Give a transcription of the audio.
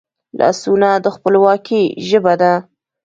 لاسونه د خپلواکي ژبه ده